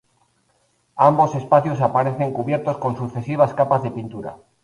Ambos espacios aparecen cubiertos con sucesivas capas de pintura.